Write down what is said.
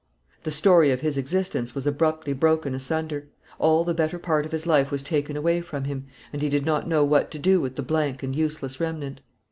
The story of his existence was abruptly broken asunder; all the better part of his life was taken away from him, and he did not know what to do with the blank and useless remnant.